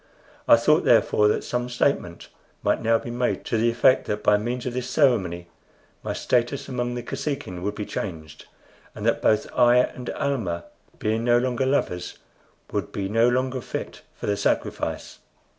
I thought, therefore, that some statement might now be made to the effect that by means of this ceremony my status among the Kosekin would be changed, and that both I and Almah, being no longer lovers, would be no longer fit for the sacrifice.